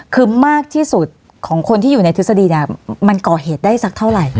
คือมากที่สุดของคนที่อยู่ในทฤษฎีเนี่ยมันก่อเหตุได้สักเท่าไหร่